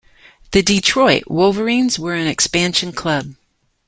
The Detroit Wolverines were an expansion club.